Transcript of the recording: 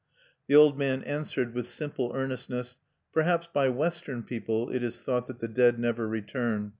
The old man answered, with simple earnestness: "Perhaps by Western people it is thought that the dead never return.